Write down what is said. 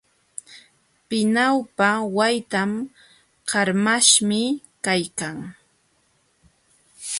Pinawpa waytan qarmaśhmi kaykan.